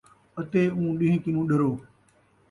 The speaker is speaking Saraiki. اَتے اُوں ݙِین٘ہ کنوں ݙَرو